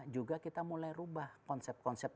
juga kita mulai rubah konsep konsep